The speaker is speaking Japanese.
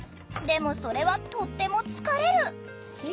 でもそれはとっても疲れる！